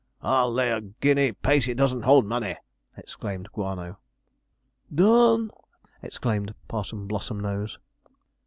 'I'll lay a guinea Pacey doesn't hold money,' exclaimed Guano. 'Done!' exclaimed Parson Blossomnose.